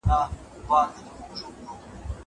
زه اوس موسيقي اورم.